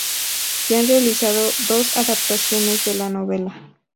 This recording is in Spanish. Se han realizado dos adaptaciones de la novela.